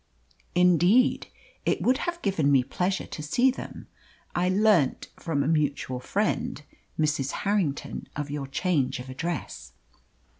"Indeed. It would have given me pleasure to see them. I learnt from a mutual friend, Mrs. Harrington, of your change of address."